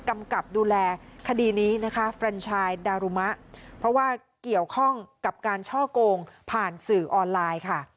กำกับดูแลคดีนี้นะคะเฟรนชายดารุมะเพราะว่าเกี่ยวข้องกับการช่อกงผ่านสื่อออนไลน์ค่ะ